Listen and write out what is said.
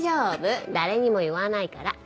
誰にも言わないから。